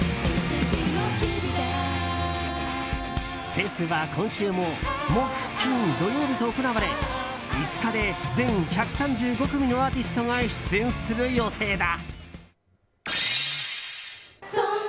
フェスは今週も木、金、土曜日と行なわれ５日で、全１３５組のアーティストが出演する予定だ。